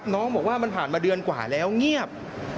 น้องบอกว่ามันผ่านมาเดือนกว่าแล้วเงียบ